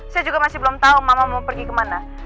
saya juga masih belum tahu mama mau pergi kemana